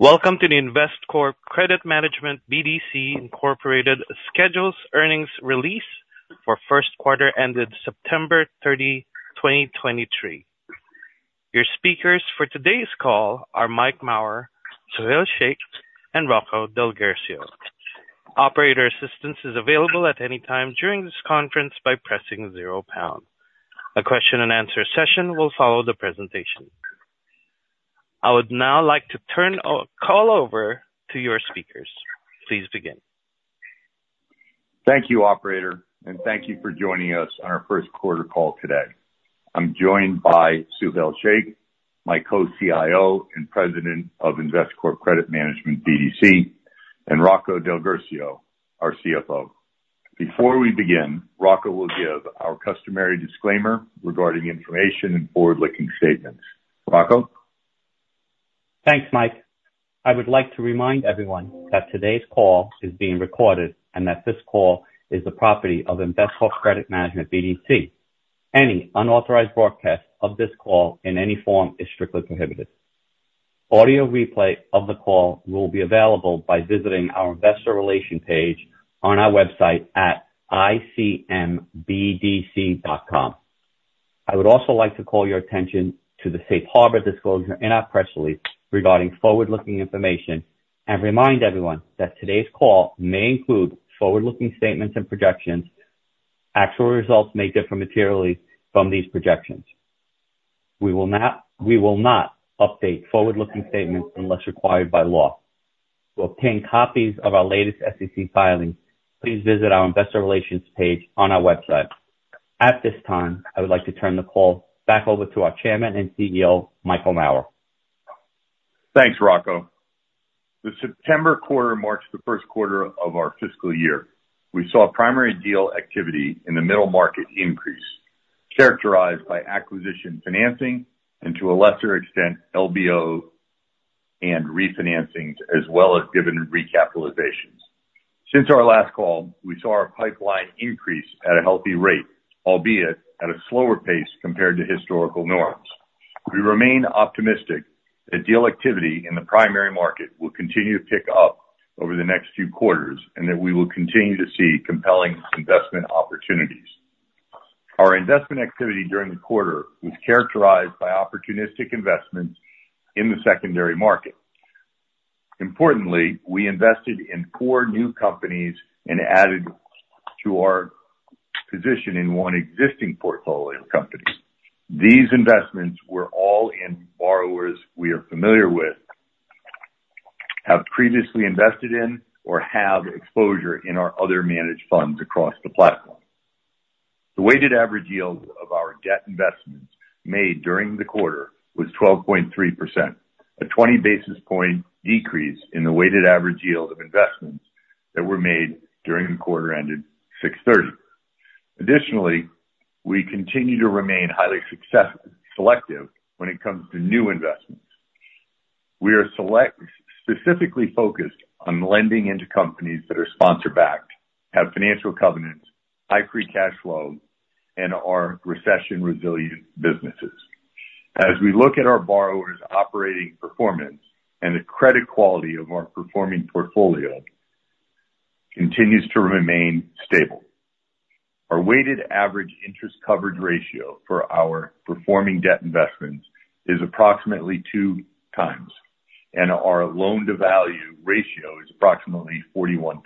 Welcome to the Investcorp Credit Management BDC, Inc. Quarterly Earnings Release for first quarter ended September 30, 2023. Your speakers for today's call are Mike Mauer, Suhail Shaikh, and Rocco DelGuercio. Operator assistance is available at any time during this conference by pressing 0#. A question-and-answer session will follow the presentation. I would now like to turn the call over to your speakers. Please begin. Thank you, operator, and thank you for joining us on our first quarter call today. I'm joined by Suhail Shaikh, my Co-CIO and President of Investcorp Credit Management BDC, and Rocco DelGuercio, our CFO. Before we begin, Rocco will give our customary disclaimer regarding information and forward-looking statements. Rocco? Thanks, Mike. I would like to remind everyone that today's call is being recorded, and that this call is the property of Investcorp Credit Management BDC. Any unauthorized broadcast of this call in any form is strictly prohibited. Audio replay of the call will be available by visiting our investor relations page on our website at icmbdc.com. I would also like to call your attention to the safe harbor disclosure in our press release regarding forward-looking information and remind everyone that today's call may include forward-looking statements and projections. Actual results may differ materially from these projections. We will not, we will not update forward-looking statements unless required by law. To obtain copies of our latest SEC filings, please visit our investor relations page on our website. At this time, I would like to turn the call back over to our Chairman and CEO, Michael Mauer. Thanks, Rocco. The September quarter marks the first quarter of our fiscal year. We saw primary deal activity in the middle market increase, characterized by acquisition financing and to a lesser extent, LBO and refinancings, as well as given recapitalizations. Since our last call, we saw our pipeline increase at a healthy rate, albeit at a slower pace compared to historical norms. We remain optimistic that deal activity in the primary market will continue to pick up over the next few quarters, and that we will continue to see compelling investment opportunities. Our investment activity during the quarter was characterized by opportunistic investments in the secondary market. Importantly, we invested in four new companies and added to our position in one existing portfolio company. These investments were all in borrowers we are familiar with, have previously invested in, or have exposure in our other managed funds across the platform. The weighted average yield of our debt investments made during the quarter was 12.3%, a 20 basis point decrease in the weighted average yield of investments that were made during the quarter ended 6/30. Additionally, we continue to remain highly selective when it comes to new investments. We are specifically focused on lending into companies that are sponsor backed, have financial covenants, high free cash flow, and are recession-resilient businesses. As we look at our borrowers' operating performance, the credit quality of our performing portfolio continues to remain stable. Our weighted average interest coverage ratio for our performing debt investments is approximately 2 times, and our loan-to-value ratio is approximately 41%.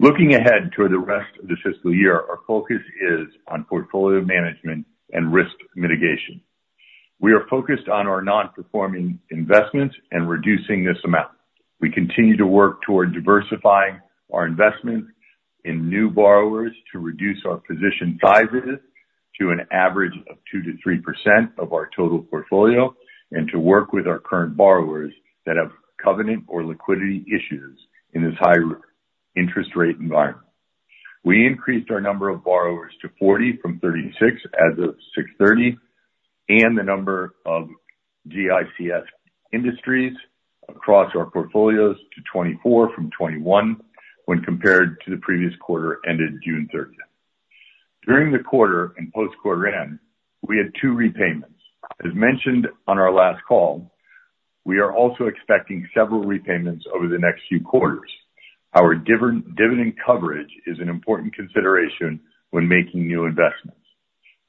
Looking ahead to the rest of the fiscal year, our focus is on portfolio management and risk mitigation. We are focused on our non-performing investments and reducing this amount. We continue to work toward diversifying our investments in new borrowers to reduce our position sizes to an average of 2%-3% of our total portfolio, and to work with our current borrowers that have covenant or liquidity issues in this high interest rate environment. We increased our number of borrowers to 40 from 36 as of June 30, and the number of GICS industries across our portfolios to 24 from 21, when compared to the previous quarter, ended June 30th. During the quarter and post quarter end, we had 2 repayments. As mentioned on our last call, we are also expecting several repayments over the next few quarters. Our dividend coverage is an important consideration when making new investments.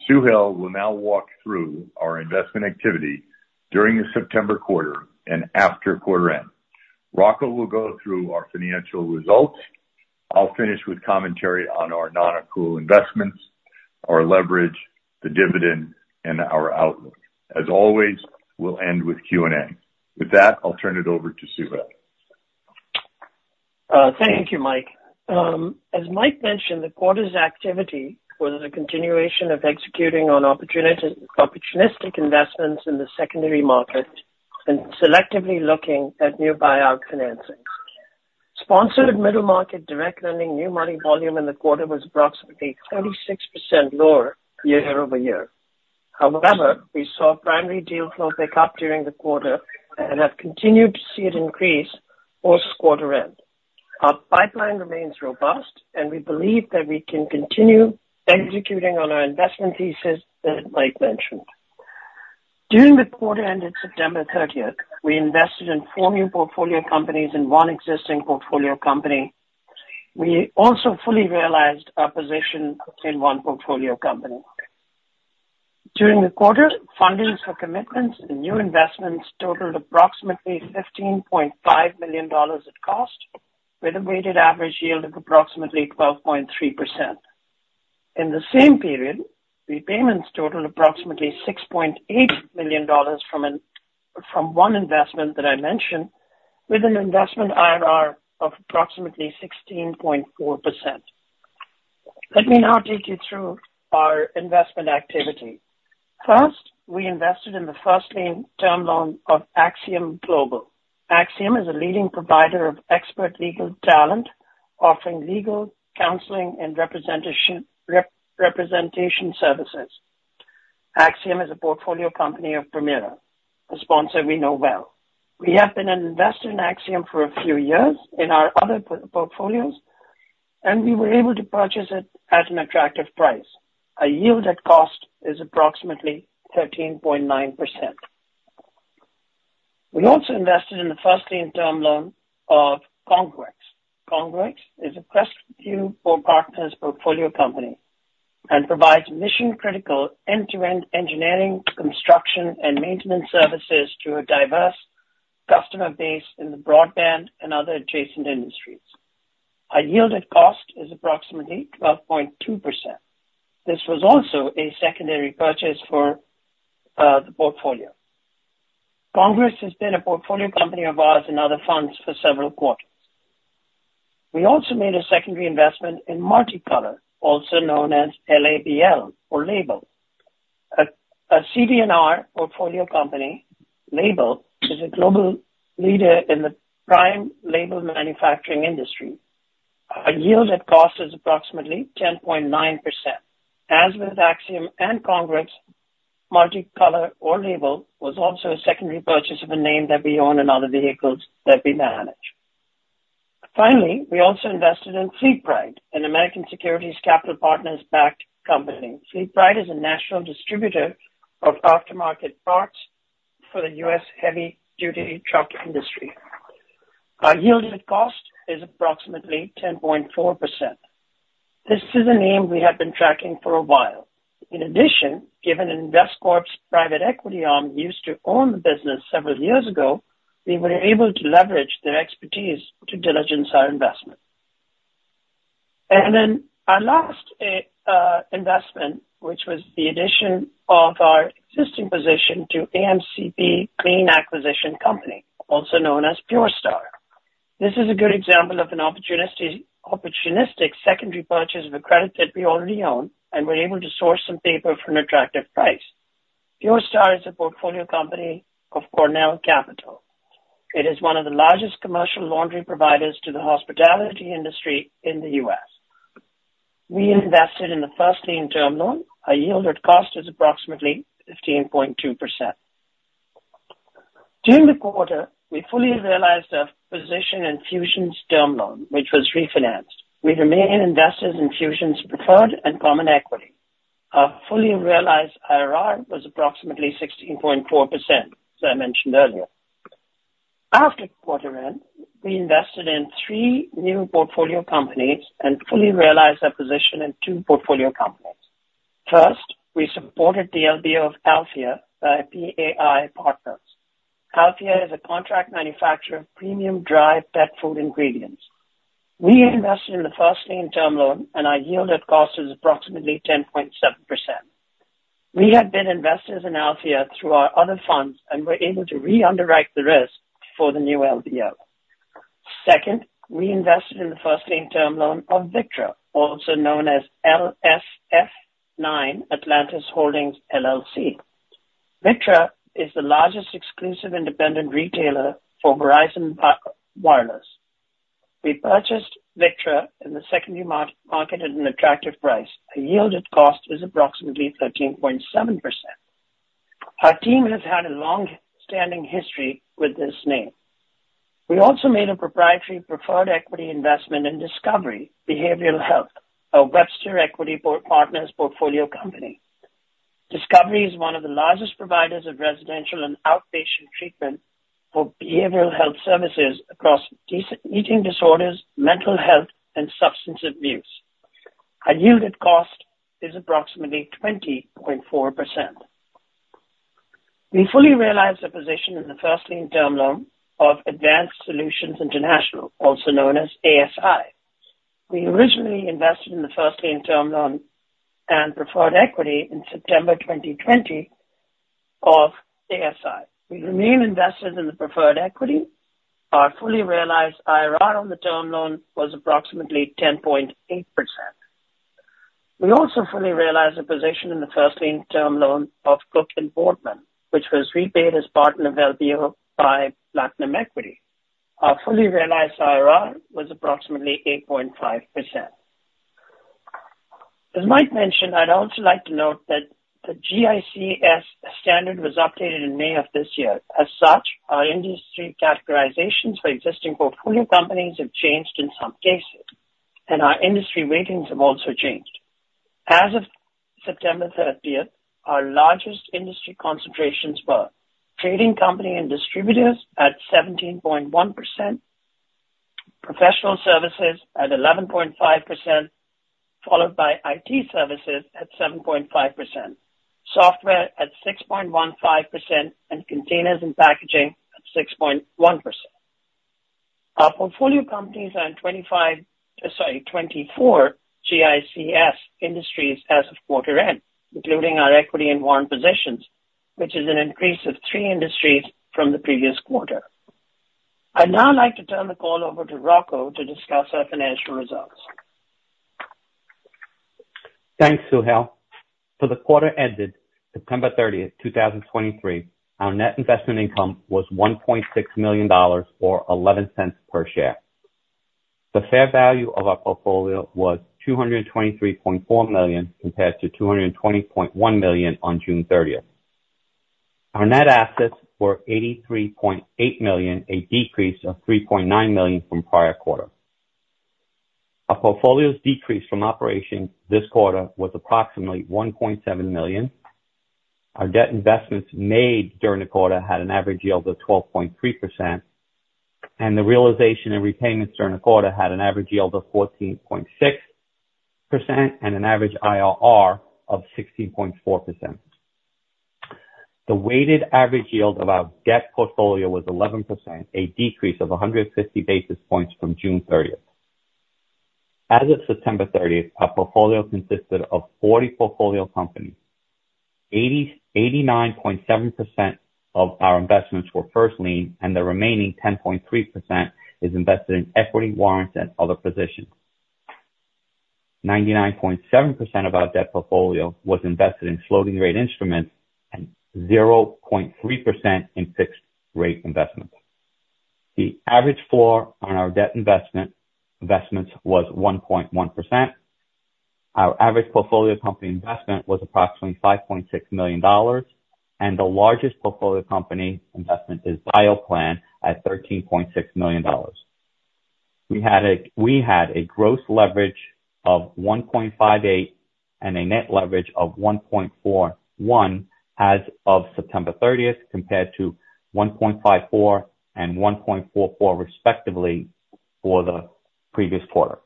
Suhail will now walk through our investment activity during the September quarter and after quarter end. Rocco will go through our financial results. I'll finish with commentary on our non-accrual investments, our leverage, the dividend, and our outlook. As always, we'll end with Q&A. With that, I'll turn it over to Suhail. Thank you, Mike. As Mike mentioned, the quarter's activity was a continuation of executing on opportunistic investments in the secondary market and selectively looking at new buyout financings. Sponsored middle market direct lending new money volume in the quarter was approximately 36% lower year-over-year. However, we saw primary deal flow pick up during the quarter and have continued to see it increase post-quarter end. Our pipeline remains robust, and we believe that we can continue executing on our investment thesis that Mike mentioned. During the quarter ended September thirtieth, we invested in four new portfolio companies and one existing portfolio company. We also fully realized our position in one portfolio company. During the quarter, fundings for commitments and new investments totaled approximately $15.5 million at cost, with a weighted average yield of approximately 12.3%. In the same period, repayments totaled approximately $6.8 million from one investment that I mentioned, with an investment IRR of approximately 16.4%. Let me now take you through our investment activity. First, we invested in the first lien term loan of Axiom. Axiom is a leading provider of expert legal talent, offering legal counseling and representation services. Axiom is a portfolio company of Permira, a sponsor we know well. We have been an investor in Axiom for a few years in our other portfolios, and we were able to purchase it at an attractive price. Our yield at cost is approximately 13.9%. We also invested in the first lien term loan of Congruex. Congruex is a Crestview Partners portfolio company, and provides mission-critical, end-to-end engineering, construction, and maintenance services to a diverse customer base in the broadband and other adjacent industries. Our yield at cost is approximately 12.2%. This was also a secondary purchase for the portfolio. Congruex has been a portfolio company of ours in other funds for several quarters. We also made a secondary investment in Multi-Color, also known as LABL or Label. A CD&R portfolio company, Label, is a global leader in the prime label manufacturing industry. Our yield at cost is approximately 10.9%. As with Axiom and Congruex, Multi-Color or Label, was also a secondary purchase of a name that we own in other vehicles that we manage. Finally, we also invested in FleetPride, an American Securities-backed company. FleetPride is a national distributor of aftermarket parts for the U.S. heavy-duty truck industry. Our yield at cost is approximately 10.4%. This is a name we have been tracking for a while. In addition, given Investcorp's private equity arm used to own the business several years ago, we were able to leverage their expertise to diligence our investment. Then our last investment, which was the addition of our existing position to ACMP Clean Acquisition Company, also known as PureStar. This is a good example of an opportunistic secondary purchase of a credit that we already own, and we're able to source some paper for an attractive price. PureStar is a portfolio company of Cornell Capital. It is one of the largest commercial laundry providers to the hospitality industry in the U.S. We invested in the first lien term loan. Our yield at cost is approximately 15.2%. During the quarter, we fully realized our position in Fusion's term loan, which was refinanced. We remain investors in Fusion's preferred and common equity. Our fully realized IRR was approximately 16.4%, as I mentioned earlier. After quarter end, we invested in three new portfolio companies and fully realized our position in two portfolio companies. First, we supported the LBO of Alphia by PAI Partners. Alphia is a contract manufacturer of premium dry pet food ingredients. We invested in the first lien term loan, and our yield at cost is approximately 10.7%. We have been investors in Alphia through our other funds and were able to re-underwrite the risk for the new LBO. Second, we invested in the first lien term loan of Victra, also known as LSF9 Atlantis Holdings, LLC. Victra is the largest exclusive independent retailer for Verizon Wireless. We purchased Victra in the secondary market at an attractive price. A yield at cost is approximately 13.7%. Our team has had a long-standing history with this name. We also made a proprietary preferred equity investment in Discovery Behavioral Health, a Webster Equity Partners portfolio company. Discovery is one of the largest providers of residential and outpatient treatment for behavioral health services across eating disorders, mental health, and substance abuse. Our yield at cost is approximately 20.4%. We fully realize the position in the first lien term loan of Advanced Solutions International, also known as ASI. We originally invested in the first lien term loan and preferred equity in September 2020 of ASI. We remain invested in the preferred equity. Our fully realized IRR on the term loan was approximately 10.8%. We also fully realized a position in the first lien term loan of Cook and Boardman, which was repaid as part of an LBO by Platinum Equity. Our fully realized IRR was approximately 8.5%.... As Mike mentioned, I'd also like to note that the GICS standard was updated in May of this year. As such, our industry categorizations for existing portfolio companies have changed in some cases, and our industry ratings have also changed. As of September 30, our largest industry concentrations were trading company and distributors at 17.1%, professional services at 11.5%, followed by IT services at 7.5%, software at 6.15%, and containers and packaging at 6.1%. Our portfolio companies are in 25, sorry, 24 GICS industries as of quarter end, including our equity and warrant positions, which is an increase of 3 industries from the previous quarter. I'd now like to turn the call over to Rocco to discuss our financial results. Thanks, Suhail. For the quarter ended September 30, 2023, our net investment income was $1.6 million, or 11 cents per share. The fair value of our portfolio was $223.4 million, compared to $220.1 million on June 30. Our net assets were $83.8 million, a decrease of $3.9 million from prior quarter. Our portfolio's decrease from operations this quarter was approximately $1.7 million. Our debt investments made during the quarter had an average yield of 12.3%, and the realization and repayments during the quarter had an average yield of 14.6% and an average IRR of 16.4%. The weighted average yield of our debt portfolio was 11%, a decrease of 150 basis points from June 30. As of September thirtieth, our portfolio consisted of 40 portfolio companies. 89.7% of our investments were first lien, and the remaining 10.3% is invested in equity warrants and other positions. 99.7% of our debt portfolio was invested in floating rate instruments and 0.3% in fixed rate investments. The average floor on our debt investments was 1.1%. Our average portfolio company investment was approximately $5.6 million, and the largest portfolio company investment is BioPlan at $13.6 million. We had a gross leverage of 1.58 and a net leverage of 1.41 as of September thirtieth, compared to 1.54 and 1.44, respectively, for the previous quarter.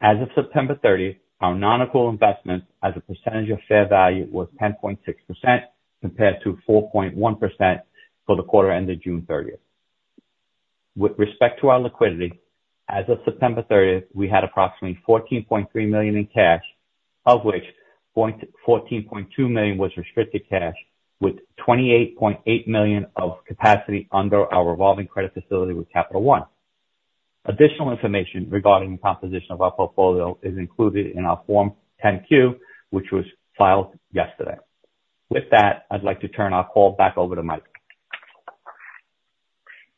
As of September 30, our non-accrual investments as a percentage of fair value was 10.6%, compared to 4.1% for the quarter ended June 30. With respect to our liquidity, as of September 30, we had approximately $14.3 million in cash, of which $14.2 million was restricted cash with $28.8 million of capacity under our revolving credit facility with Capital One. Additional information regarding the composition of our portfolio is included in our Form 10-Q, which was filed yesterday. With that, I'd like to turn our call back over to Mike.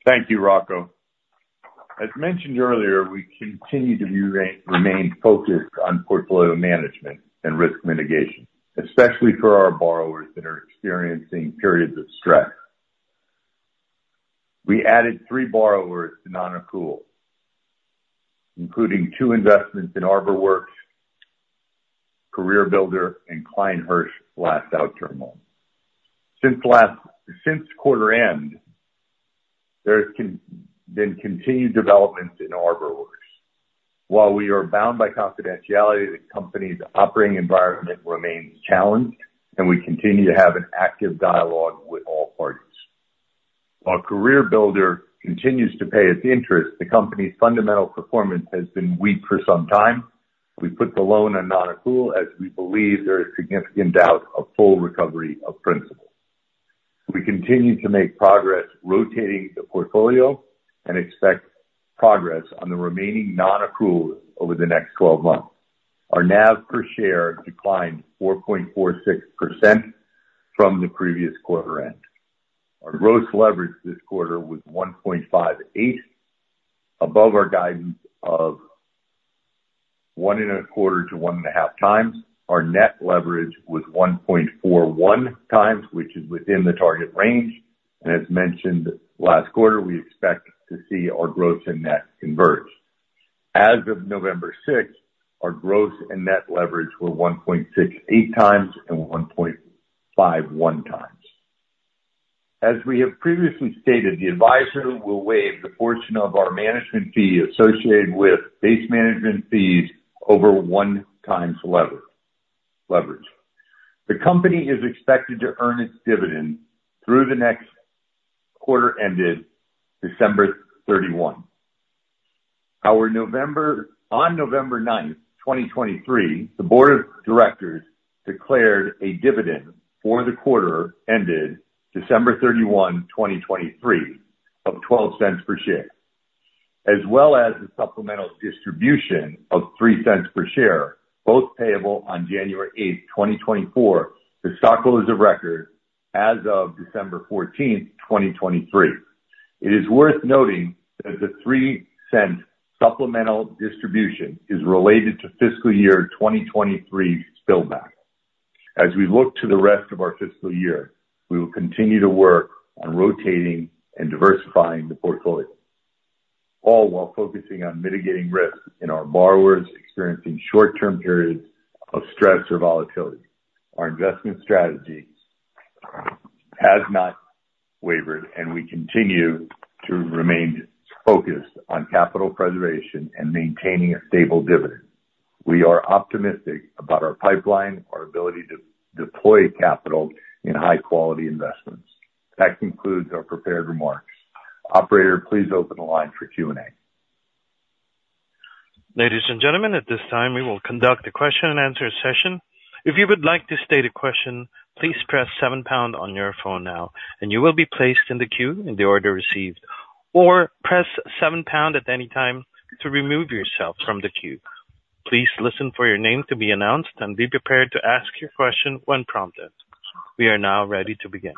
Thank you, Rocco. As mentioned earlier, we continue to remain focused on portfolio management and risk mitigation, especially for our borrowers that are experiencing periods of stress. We added three borrowers to non-accrual, including two investments in ArborWorks, CareerBuilder, and Klein Hersh last out term loan. Since quarter end, there's been continued developments in ArborWorks. While we are bound by confidentiality, the company's operating environment remains challenged, and we continue to have an active dialogue with all parties. While CareerBuilder continues to pay its interest, the company's fundamental performance has been weak for some time. We put the loan on non-accrual as we believe there is significant doubt of full recovery of principal. We continue to make progress rotating the portfolio and expect progress on the remaining non-accrual over the next 12 months. Our NAV per share declined 4.46% from the previous quarter end. Our gross leverage this quarter was 1.58, above our guidance of 1.25-1.5 times. Our net leverage was 1.41 times, which is within the target range, and as mentioned last quarter, we expect to see our gross and net converge. As of November 6, our gross and net leverage were 1.68 times and 1.51 times. As we have previously stated, the advisor will waive the portion of our management fee associated with base management fees over 1 times leverage. The company is expected to earn its dividend through the next quarter ended December 31. On November 9, 2023, the board of directors declared a dividend for the quarter ended December 31, 2023, of $0.12 per share, as well as a supplemental distribution of $0.03 per share, both payable on January 8, 2024. The stockholders of record as of December 14, 2023. It is worth noting that the $0.03 supplemental distribution is related to fiscal year 2023 spill back. As we look to the rest of our fiscal year, we will continue to work on rotating and diversifying the portfolio, all while focusing on mitigating risks in our borrowers experiencing short-term periods of stress or volatility. Our investment strategy has not wavered, and we continue to remain focused on capital preservation and maintaining a stable dividend. We are optimistic about our pipeline, our ability to deploy capital in high-quality investments. That concludes our prepared remarks. Operator, please open the line for Q&A. Ladies and gentlemen, at this time, we will conduct a question-and-answer session. If you would like to state a question, please press 7 pound on your phone now, and you will be placed in the queue in the order received, or press 7 pound at any time to remove yourself from the queue. Please listen for your name to be announced and be prepared to ask your question when prompted. We are now ready to begin.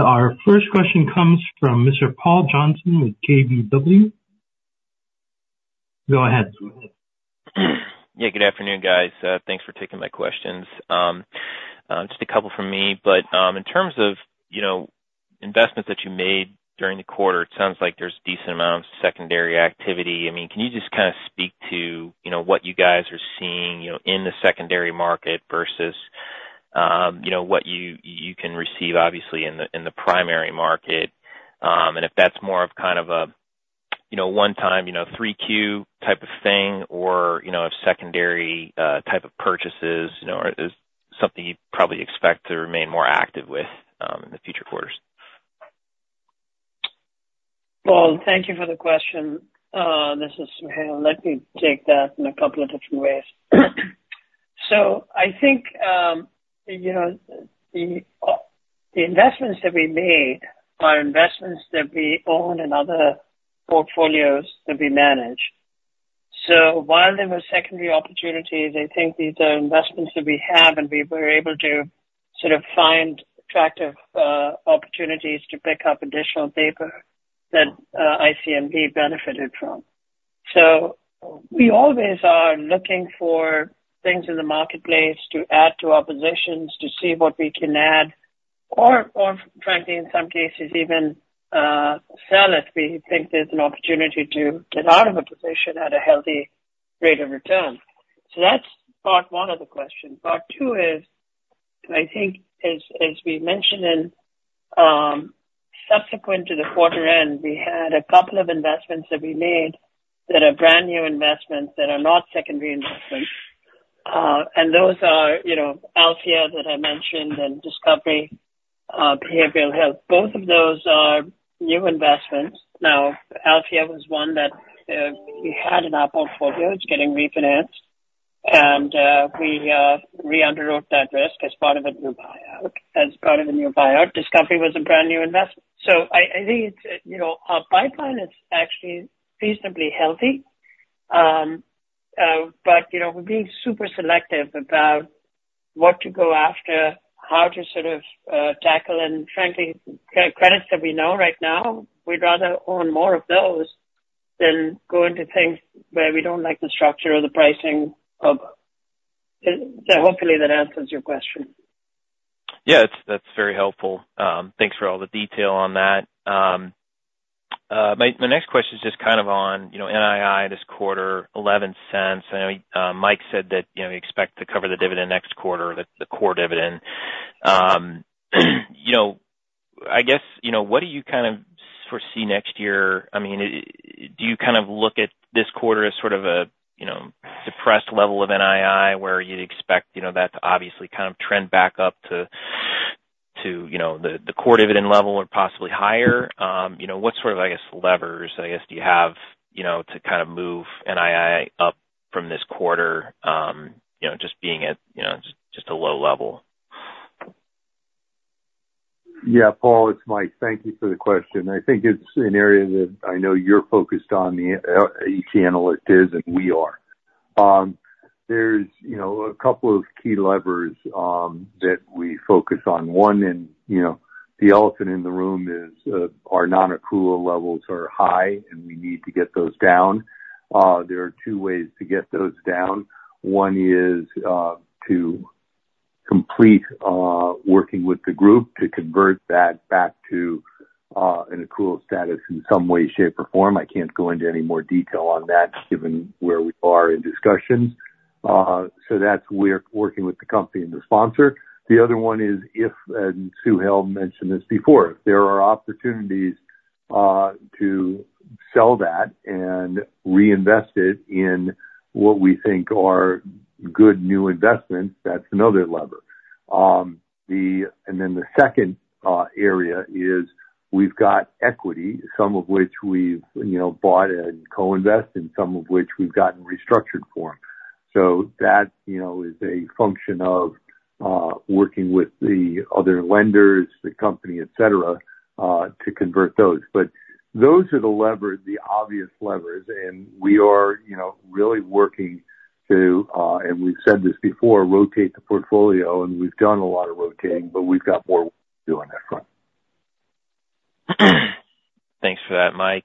Our first question comes from Mr. Paul Johnson with KBW. Go ahead. Yeah, good afternoon, guys. Thanks for taking my questions. Just a couple from me, but in terms of, you know, investments that you made during the quarter, it sounds like there's decent amounts of secondary activity. I mean, can you just kind of speak to, you know, what you guys are seeing, you know, in the secondary market versus, you know, what you can receive obviously in the primary market, and if that's more of kind of a, you know, one time, you know, three Q type of thing or, you know, if secondary type of purchases, you know, is something you'd probably expect to remain more active with in the future quarters? Paul, thank you for the question. This is Suhail. Let me take that in a couple of different ways. So I think, you know, the investments that we made are investments that we own in other portfolios that we manage. So while there were secondary opportunities, I think these are investments that we have, and we were able to sort of find attractive opportunities to pick up additional paper that ICMB benefited from. So we always are looking for things in the marketplace to add to our positions, to see what we can add or frankly, in some cases, even sell it. We think there's an opportunity to get out of a position at a healthy rate of return. So that's part one of the question. Part two is, I think, as we mentioned in, subsequent to the quarter end, we had a couple of investments that we made that are brand new investments that are not secondary investments. And those are, you know, Alfea that I mentioned, and Discovery Behavioral Health. Both of those are new investments. Now, Alfea was one that we had in our portfolio, it's getting refinanced, and we reunderwrote that risk as part of a new buyout. As part of the new buyout, Discovery was a brand new investment. So I think it's, you know, our pipeline is actually reasonably healthy. But, you know, we're being super selective about what to go after, how to sort of tackle and frankly, credits that we know right now. We'd rather own more of those than go into things where we don't like the structure or the pricing of... So hopefully that answers your question. Yeah, that's, that's very helpful. Thanks for all the detail on that. My next question is just kind of on, you know, NII this quarter, $0.11. And Mike said that, you know, you expect to cover the dividend next quarter, the core dividend. You know, I guess, you know, what do you kind of foresee next year? I mean, do you kind of look at this quarter as sort of a, you know, depressed level of NII, where you'd expect, you know, that to obviously kind of trend back up to, you know, the core dividend level or possibly higher? You know, what sort of, I guess, levers, I guess, do you have, you know, to kind of move NII up from this quarter, you know, just being at, you know, just a low level? Yeah, Paul, it's Mike. Thank you for the question. I think it's an area that I know you're focused on, each analyst is, and we are. There's, you know, a couple of key levers that we focus on. One, and, you know, the elephant in the room is our non-accrual levels are high, and we need to get those down. There are two ways to get those down. One is to complete working with the group to convert that back to an accrual status in some way, shape, or form. I can't go into any more detail on that, given where we are in discussions. So that's we're working with the company and the sponsor. The other one is, if, and Suhail mentioned this before, there are opportunities to sell that and reinvest it in what we think are good new investments. That's another lever. And then the second area is we've got equity, some of which we've, you know, bought and co-invested, and some of which we've gotten restructured for. So that, you know, is a function of working with the other lenders, the company, et cetera, to convert those. But those are the levers, the obvious levers, and we are, you know, really working to, and we've said this before, rotate the portfolio, and we've done a lot of rotating, but we've got more to do on that front. Thanks for that, Mike.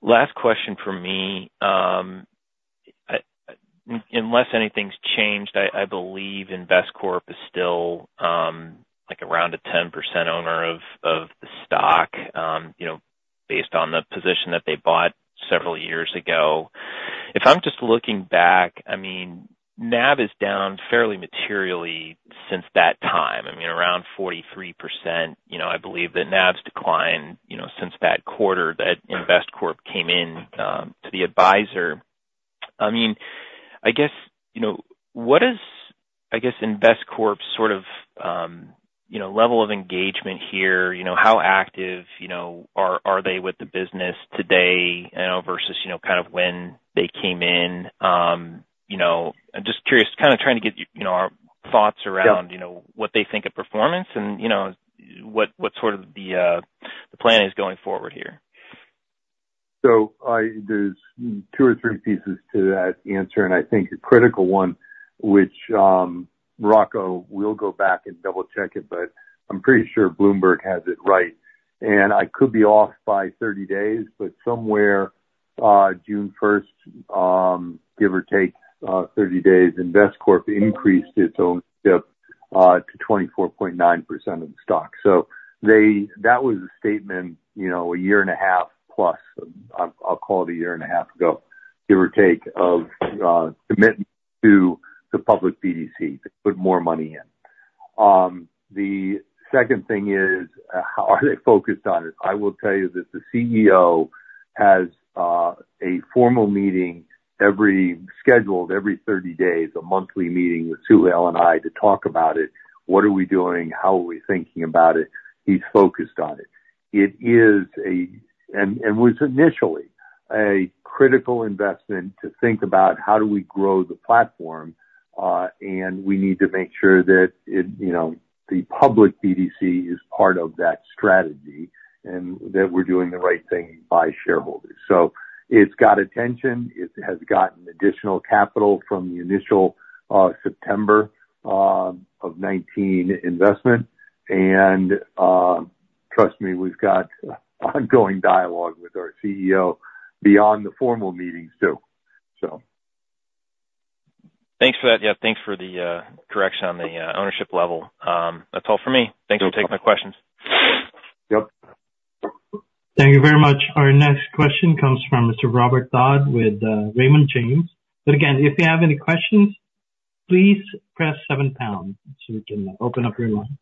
Last question from me. Unless anything's changed, I believe Investcorp is still, like, around a 10% owner of the stock, you know, based on the position that they bought several years ago. If I'm just looking back, I mean, NAV is down fairly materially since that time. I mean, around 43%, you know, I believe that NAV's declined, you know, since that quarter that Investcorp came in to the advisor. I mean, I guess, you know, what is, I guess, Investcorp sort of, you know, level of engagement here? You know, how active, you know, are they with the business today, you know, versus, you know, kind of when they came in, you know? I'm just curious, kind of trying to get, you know, our thoughts around- Yeah. You know, what they think of performance and, you know, what sort of the plan is going forward here. So there's two or three pieces to that answer, and I think a critical one, which, Rocco will go back and double check it, but I'm pretty sure Bloomberg has it right. And I could be off by 30 days, but somewhere, June 1st, give or take, 30 days, Investcorp increased its ownership to 24.9% of the stock. So that was a statement, you know, a year and a half plus, I'll call it a year and a half ago, give or take, of commitment to the public BDC to put more money in. The second thing is, are they focused on it? I will tell you that the CEO has a formal meeting scheduled every 30 days, a monthly meeting with Suhail and I to talk about it. What are we doing? How are we thinking about it? He's focused on it. It is a, and was initially a critical investment to think about how do we grow the platform, and we need to make sure that it, you know, the public BDC is part of that strategy and that we're doing the right thing by shareholders. So it's got attention. It has gotten additional capital from the initial September of 2019 investment. And trust me, we've got ongoing dialogue with our CEO beyond the formal meetings, too, so. Thanks for that. Yeah, thanks for the correction on the ownership level. That's all for me. Yep. Thanks for taking my questions. Yep. Thank you very much. Our next question comes from Mr. Robert Dodd with Raymond James. But again, if you have any questions, please press seven, pound, so we can open up your line.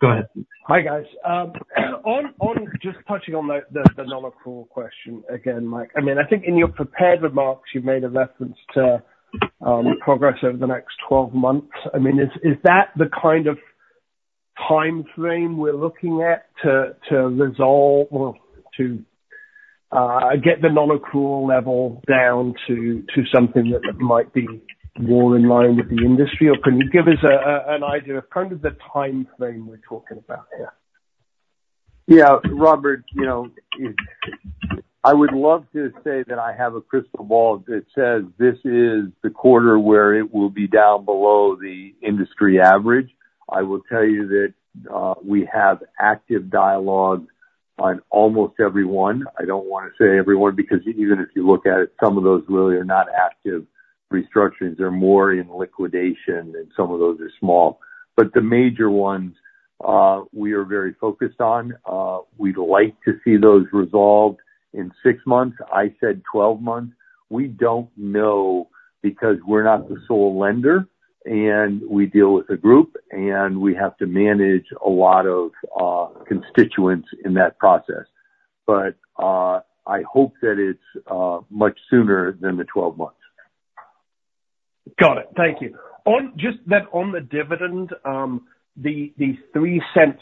Go ahead. Hi, guys. Just touching on the non-accrual question again, Mike. I mean, I think in your prepared remarks, you made a reference to progress over the next 12 months. I mean, is that the kind of timeframe we're looking at to resolve or to get the non-accrual level down to something that might be more in line with the industry? Or can you give us an idea of kind of the timeframe we're talking about here? Yeah, Robert, you know, I would love to say that I have a crystal ball that says, "This is the quarter where it will be down below the industry average." I will tell you that we have active dialogue on almost every one. I don't wanna say every one, because even if you look at it, some of those really are not active restructurings. They're more in liquidation, and some of those are small. But the major ones, we are very focused on. We'd like to see those resolved in six months. I said twelve months. We don't know because we're not the sole lender, and we deal with a group, and we have to manage a lot of constituents in that process. But I hope that it's much sooner than the twelve months. Got it. Thank you. On just then on the dividend, the $0.03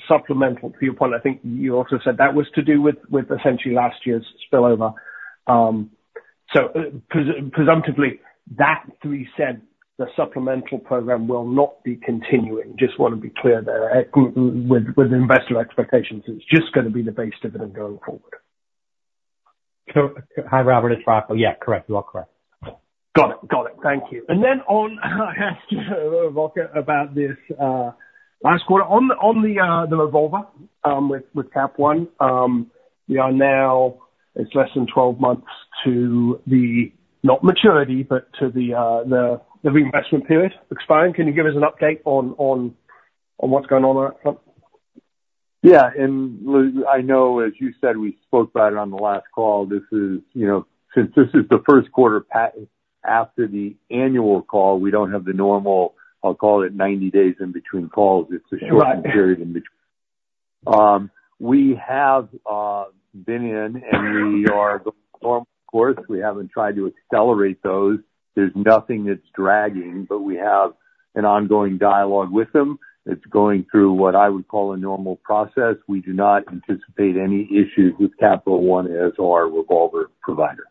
supplemental to your point, I think you also said that was to do with essentially last year's spillover. So presumptively, that $0.03, the supplemental program will not be continuing. Just want to be clear there with investor expectations, it's just gonna be the base dividend going forward. Hi, Robert, it's Rocco. Yeah, correct. You are correct. Got it. Got it. Thank you. And then, Rocco, I have to ask about this last quarter on the revolver with Capital One. We are now, it's less than 12 months to the, not maturity, but to the reinvestment period expiring. Can you give us an update on what's going on on that front? Yeah, and I know, as you said, we spoke about it on the last call. This is, you know, since this is the first quarter after the annual call, we don't have the normal, I'll call it 90 days in between calls. Sure. It's a shortened period in between. We have been in, and we are going, of course, we haven't tried to accelerate those. There's nothing that's dragging, but we have an ongoing dialogue with them. It's going through what I would call a normal process. We do not anticipate any issues with Capital One as our revolver provider.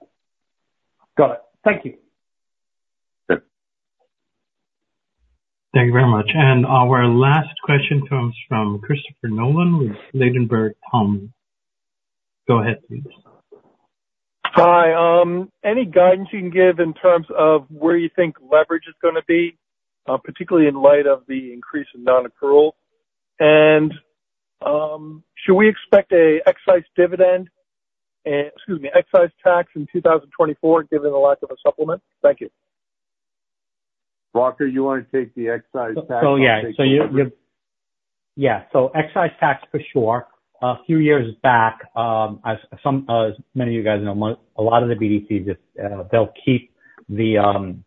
Got it. Thank you. Yep. Thank you very much. Our last question comes from Christopher Nolan with Ladenburg Thalmann. Go ahead, please. Hi. Any guidance you can give in terms of where you think leverage is gonna be, particularly in light of the increase in non-accrual? And, should we expect an excise tax in 2024, given the lack of a supplement? Thank you. Rocco, you want to take the excise tax? Yeah. So excise tax, for sure. A few years back, as many of you guys know, a lot of the BDCs, if they'll keep the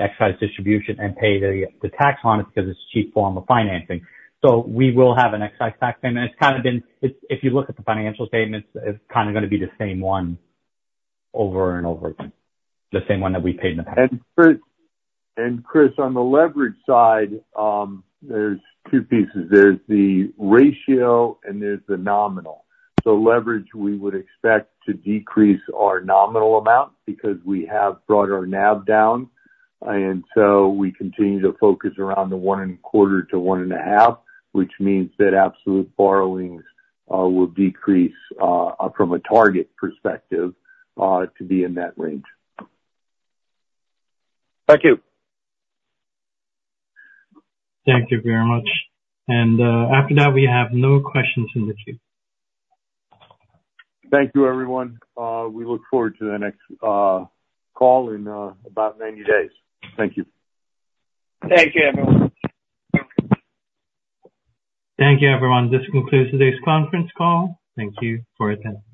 excise distribution and pay the tax on it, because it's a cheap form of financing. So we will have an excise tax, and it's kind of been. If you look at the financial statements, it's kind of gonna be the same one over and over again, the same one that we paid in the past. And Chris, on the leverage side, there's 2 pieces. There's the ratio and there's the nominal. So leverage, we would expect to decrease our nominal amount, because we have brought our NAV down, and so we continue to focus around the 1.25-1.5, which means that absolute borrowings will decrease from a target perspective to be in that range. Thank you. Thank you very much. And, after that, we have no questions in the queue. Thank you, everyone. We look forward to the next call in about 90 days. Thank you. Thank you, everyone. Thank you, everyone. This concludes today's conference call. Thank you for attending.